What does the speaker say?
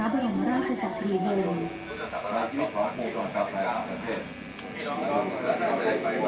เป็นครับมหาภาษารัฐศาสตร์๒๑